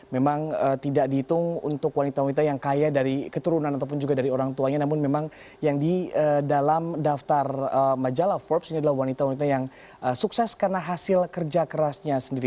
memang tidak dihitung untuk wanita wanita yang kaya dari keturunan ataupun juga dari orang tuanya namun memang yang di dalam daftar majalah forbes ini adalah wanita wanita yang sukses karena hasil kerja kerasnya sendiri